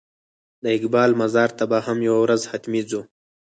د اقبال مزار ته به هم یوه ورځ حتمي ځو.